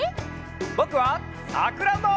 ぼくはさくらんぼ！